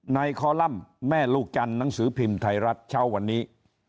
คอลัมป์แม่ลูกจันทร์หนังสือพิมพ์ไทยรัฐเช้าวันนี้